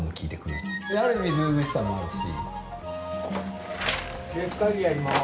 ある意味ずうずうしさもあるし。